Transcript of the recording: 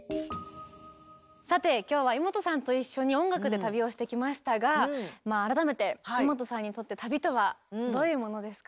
さて今日はイモトさんと一緒に音楽で旅をしてきましたが改めてイモトさんにとって旅とはどういうものですか？